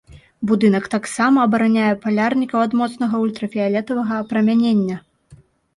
Будынак таксама абараняе палярнікаў ад моцнага ультрафіялетавага апрамянення.